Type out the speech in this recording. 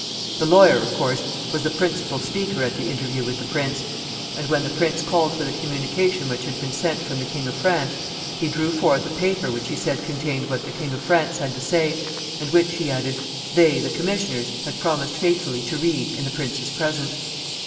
The lawyer, of course, was the principal speaker at the interview with the prince, and when the prince called for the communication which had been sent from the King of France, he drew forth a paper which he said contained what the King of France had to say, and which, he added, they, the commissioners, had promised faithfully to read in the prince's presence.